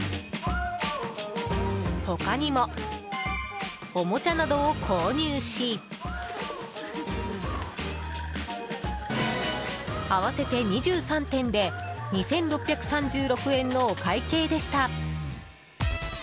他にも、おもちゃなどを購入し合わせて２３点で２６３６円のお会計でした。